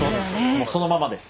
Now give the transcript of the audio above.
もうそのままです。